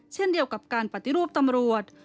เช่นเดียวกับการปฏิรูปตำรวจ